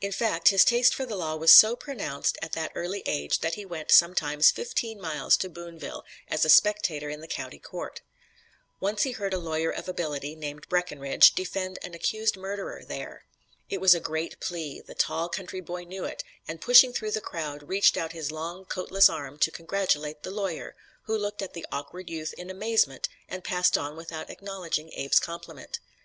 In fact, his taste for the law was so pronounced at that early age that he went, sometimes, fifteen miles to Boonville, as a spectator in the county court. Once he heard a lawyer of ability, named Breckinridge, defend an accused murderer there. It was a great plea; the tall country boy knew it and, pushing through the crowd, reached out his long, coatless arm to congratulate the lawyer, who looked at the awkward youth in amazement and passed on without acknowledging Abe's compliment.